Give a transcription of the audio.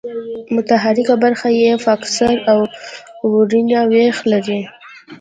متحرکه برخه یې فکسر او ورنیه وېش لري.